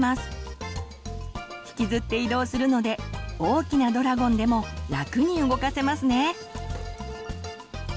引きずって移動するので大きなドラゴンでも楽に動かせますね。